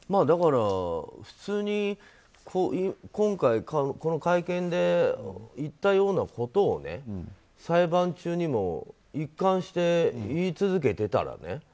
だから普通に今回、この会見で言ったようなことを裁判中にも一貫して言い続けてたらね